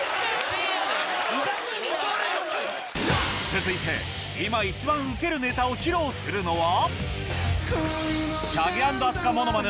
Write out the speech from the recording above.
続いて今一番ウケるネタを披露するのは